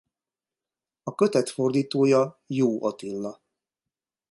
A kötet fordítója Joó Attila.